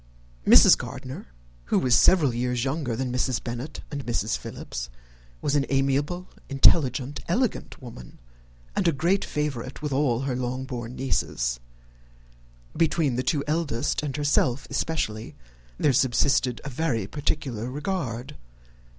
Mrs. Gardiner, who was several years younger than Mrs. Bennet and Mrs. Philips, was an amiable, intelligent, elegant woman, and a great favourite with her Longbourn nieces. Between the two eldest and herself especially, there subsisted a very particular regard.